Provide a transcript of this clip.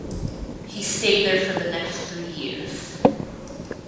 He stayed there for the next three years.